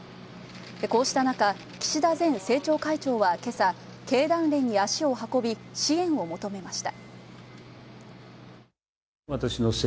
こうした中、岸田前政調会長は、けさ経団連に足を運び支援を求めました。